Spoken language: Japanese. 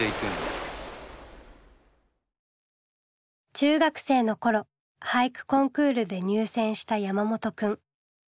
中学生の頃俳句コンクールで入選した山本くん。